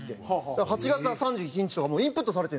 だから８月は３１日とかインプットされてるんですよ。